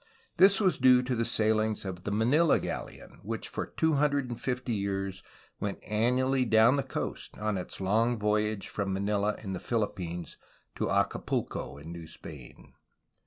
This was due to the sailings of the "Manila galleon," which for 250 years went annually down the coast on its long voyage from Manila in the Philippines to Acapulco in New Spain.